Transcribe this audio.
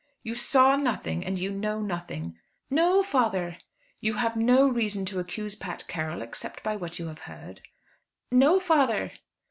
"You saw nothing, and you knew nothing?" "No, father." "You have no reason to accuse Pat Carroll, except by what you have heard?" "No, father."